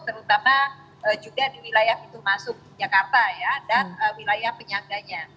terutama juga di wilayah pintu masuk jakarta dan wilayah penyangganya